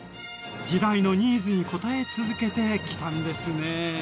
時代のニーズに応え続けてきたんですね。